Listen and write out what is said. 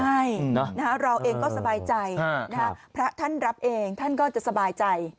ใช่เราเองก็สบายใจพระท่านรับเองท่านก็จะสบายใจ